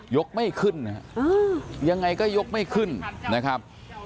ไม่ขึ้นนะฮะยังไงก็ยกไม่ขึ้นนะครับ